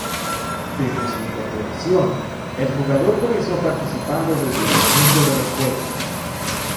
Desde su incorporación, el jugador comenzó participando desde el inicio de los juegos.